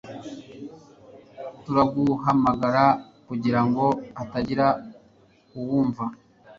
turaguhamagara kugirango hatagira uwumva